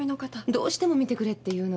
どうしても見てくれって言うの。